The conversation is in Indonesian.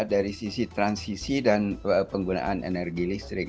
dari sisi transisi dan penggunaan energi listrik